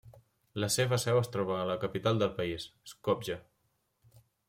La seva seu es troba a la capital del país, Skopje.